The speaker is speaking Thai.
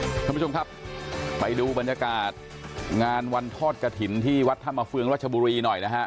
คุณผู้ชมครับไปดูบรรยากาศงานวันทอดกระถิ่นที่วัดธรรมเฟืองรัชบุรีหน่อยนะฮะ